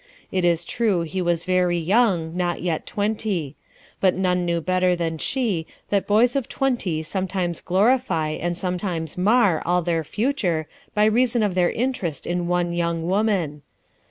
It is true he was very young, not yet twenty; but none knew better than she that boys of twenty sometimes glorify and sometimes mar all their future by reason of their interest in one young woman.